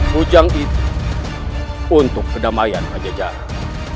kujang itu untuk kedamaian rakyat jahat